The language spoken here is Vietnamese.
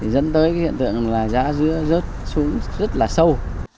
đến tới hiện tượng là giá dứa rớt xuống rất là sâu